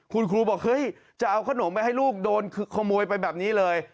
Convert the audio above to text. คุณครูบอกเฮ้ยจะเอาขนมไปให้ลูกโดนขโมยไปแบบนี้เลย